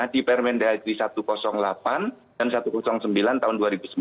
di permendagri satu ratus delapan dan satu ratus sembilan tahun dua ribu sembilan